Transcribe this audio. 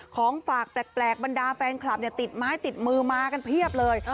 ของฝากแปลกบรรดาแฟนคลับติดไม้ติดมือมากันเพียบเลย